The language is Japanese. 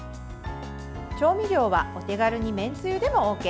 調味料はお手軽に、めんつゆでもＯＫ。